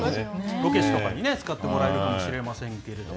ロケ地とかに使ってもらえるかもしれませんけれども。